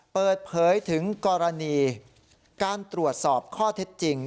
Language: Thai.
เปิดเผยถึงกรณีการตรวจสอบข้อเท็จจริง